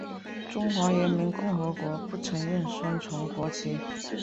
中华人民共和国不承认双重国籍。